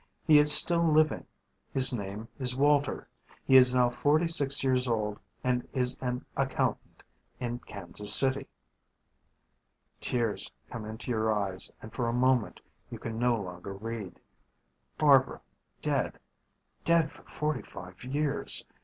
He is still living; his name is Walter; he is now forty six years old and is an accountant in Kansas City." Tears come into your eyes and for a moment you can no longer read. Barbara dead dead for forty five years.